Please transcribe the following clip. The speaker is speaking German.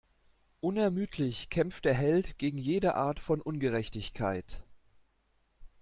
Unermüdlich kämpft der Held gegen jede Art von Ungerechtigkeit.